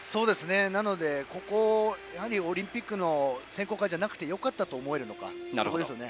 なので、やはりこれがオリンピックの選考会じゃなくてよかったと思えるのかそこですね。